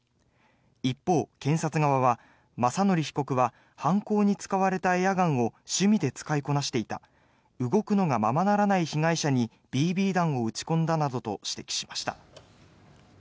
一方、検察側は雅則被告は犯行に使われたエアガンを趣味で使いこなしていた動くのがままならない被害者にＢＢ弾を撃ち込んだなどと指摘しました。